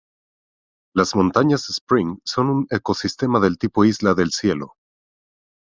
Las montañas Spring son un ecosistema del tipo isla del cielo.